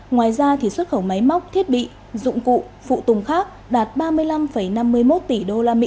ngoài ra xuất khẩu máy móc thiết bị dụng cụ phụ tùng khác đạt ba mươi năm năm mươi một tỷ usd